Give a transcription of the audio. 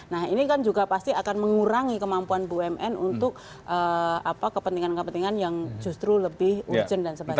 nah ini kan juga pasti akan mengurangi kemampuan bumn untuk kepentingan kepentingan yang justru lebih urgent dan sebagainya